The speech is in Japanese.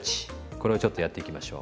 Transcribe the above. これをちょっとやっていきましょう。